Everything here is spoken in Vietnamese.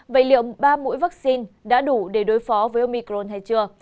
vậy liệu ba mũi vaccine đã đủ để đối phó với micron hay chưa